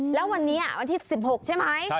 แล้ววันที่๑๖เป็นไหม